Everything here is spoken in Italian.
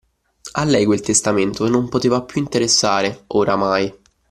A lei quel testamento non poteva più interessare, oramai.